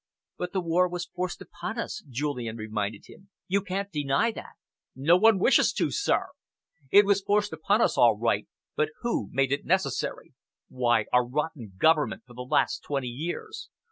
"But the war was forced upon us," Julian reminded him. "You can't deny that." "No one wishes to, sir. It was forced upon us all right, but who made it necessary? Why, our rotten government for the last twenty years!